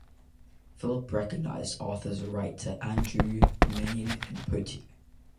Philip recognized Arthur's right to Anjou, Maine, and Poitou.